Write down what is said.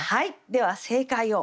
では正解を。